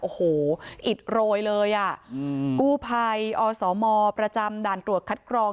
โอ้โหอิดโรยเลยอ่ะอืมกู้ภัยอสมประจำด่านตรวจคัดกรอง